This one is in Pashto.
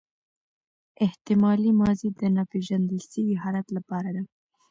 احتمالي ماضي د ناپیژندل سوي حالت له پاره ده.